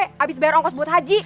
habis bayar ongkos buat haji